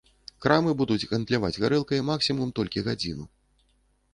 Крамы будуць гандляваць гарэлкай максімум толькі гадзіну.